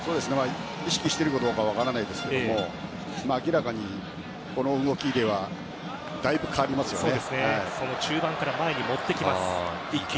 意識しているかどうかは分かりませんが明らかにこの動きではだいぶ変わりますよね。